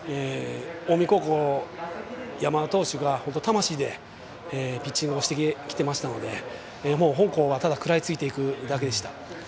近江高校の山田投手が魂でピッチングをしてきてましたので本校はただ食らいついていくだけでした。